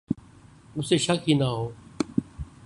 اسے شک ہی نہ ہو